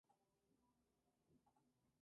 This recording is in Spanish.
El clima es oceánico.